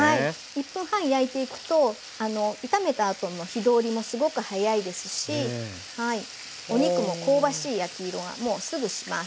１分半焼いていくと炒めたあとの火通りもすごくはやいですしお肉も香ばしい焼き色がもうすぐします。